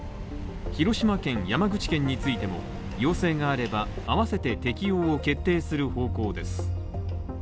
広島県、山口県についても要請があればあわせて適用を決定する方向です。